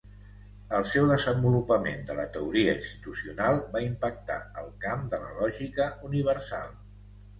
El seu desenvolupament de la teoria institucional va impactar el camp de la lògica universal.